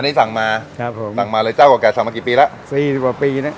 อันนี้สั่งมาสั่งมาเลยเจ้ากับแกสั่งมากี่ปีแล้ว๔๐กว่าปีนะ